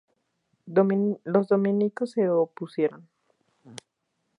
Los dominicos se opusieron.